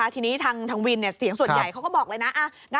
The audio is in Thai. ทีนี้ทางวินเสียงส่วนใหญ่เขาก็บอกเลยนะ